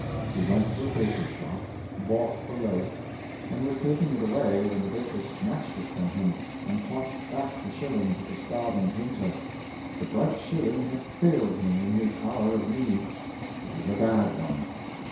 He went to a baker's shop, bought a loaf, and was taking it away, when the baker snatched it from him, and tossed back the shilling to the starv ing painter. The bright shilling had failed him in his hour of need — it was a bad one!